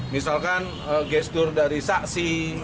misalkan gestur dari saksi